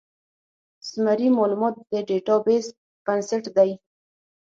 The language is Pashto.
رمزي مالومات د ډیټا بیس بنسټ دی.